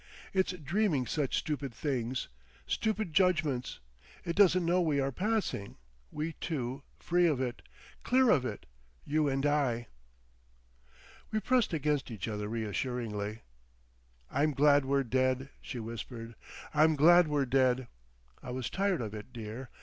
It's dreaming such stupid things—stupid judgments. It doesn't know we are passing, we two—free of it—clear of it. You and I!" We pressed against each other reassuringly. "I'm glad we're dead," she whispered. "I'm glad we're dead. I was tired of it, dear.